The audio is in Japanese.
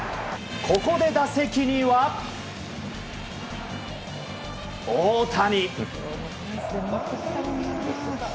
ここで打席には、大谷。